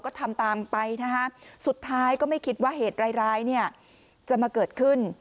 ก็ทำตามไปนะฮะสุดท้ายก็ไม่คิดว่าเหตุร้ายเนี่ยจะมาเกิดขึ้น